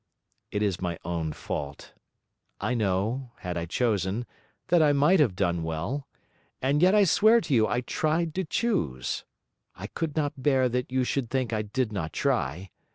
It is my own fault. I know, had I chosen, that I might have done well; and yet I swear to you I tried to choose. I could not bear that you should think I did not try.